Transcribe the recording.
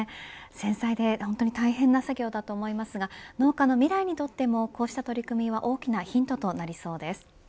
繊細で大変な作業だと思いますが農家の未来にとってもこうした取り組みは大きなヒントとなりそうです。